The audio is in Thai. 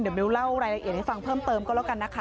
เดี๋ยวมิวเล่ารายละเอียดให้ฟังเพิ่มเติมก็แล้วกันนะคะ